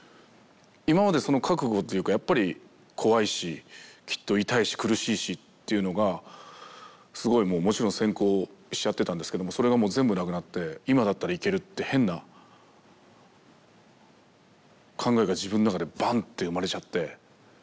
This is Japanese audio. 今までその覚悟というかやっぱり怖いしきっと痛いし苦しいしっていうのがすごいもうもちろん先行しちゃってたんですけどもそれがもう全部なくなって今だったらいけるって変な考えが自分の中でバンッて生まれちゃって。